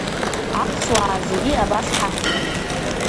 Аԥсуаа зегьы абас ҳахьит.